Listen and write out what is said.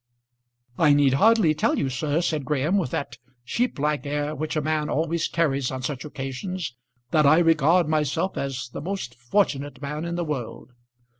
"I need hardly tell you, sir," said Graham, with that sheep like air which a man always carries on such occasions, "that I regard myself as the most fortunate man in the world."